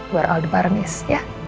buar al di bareng is ya